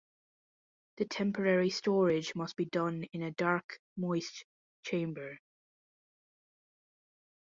The temporary storage must be done in a dark moist chamber.